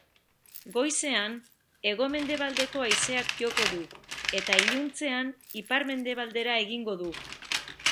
Goizean hego-mendebaldeko haizeak joko du eta iluntzean ipar-mendebaldera egingo du.